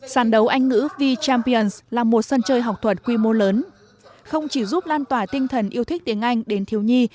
sàn đấu anh ngữ v champions là một sân chơi học thuật quy mô lớn không chỉ giúp lan tỏa tinh thần yêu thích tiếng anh đến thiếu nhi